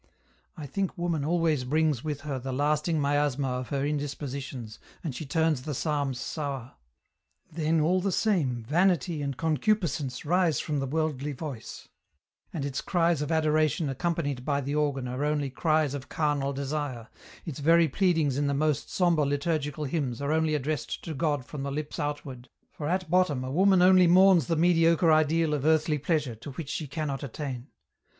I think woman always brings with her the lasting miasma of her indispositions and she turns the psalms sour. Then, all the same, vanity and concupiscence rise from the worldly voice, and its cries of adoration accompanied by the organ are only cries of carnal desire, its very pleadings in the most sombre liturgical hymns are only addressed to God from the lips outward, for at bottom a woman only mourns the mediocre ideal of earthly pleasure to which she cannot attain.